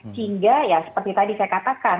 sehingga ya seperti tadi saya katakan